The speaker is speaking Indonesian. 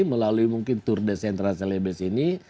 melalui mungkin tur descentral celebes ini